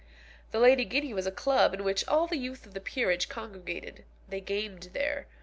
The Lady Guinea was a club in which all the youth of the peerage congregated. They gamed there.